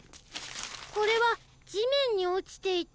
これはじめんにおちていた。